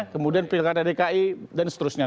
kemudian pilkada dki dan seterusnya